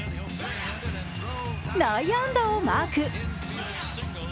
内野安打をマーク。